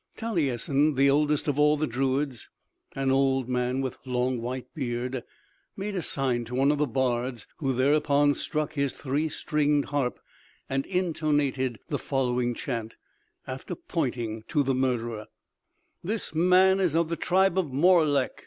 Talyessin, the oldest of all the druids, an old man with long white beard, made a sign to one of the bards, who thereupon struck his three stringed harp and intonated the following chant, after pointing to the murderer: "This man is of the tribe of Morlech.